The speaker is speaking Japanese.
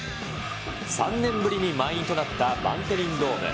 ３年ぶりに満員となったバンテリンドーム。